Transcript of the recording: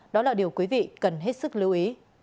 đó là điều quý vị cần hết sức lưu ý